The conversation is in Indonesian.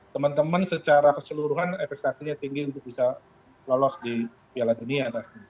teman teman secara keseluruhan ekspektasinya tinggi untuk bisa lolos di piala dunia